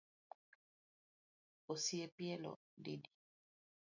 Osepielo didi?